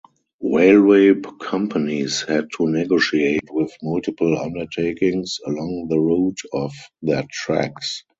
Railway companies had to negotiate with multiple undertakings along the route of their tracks.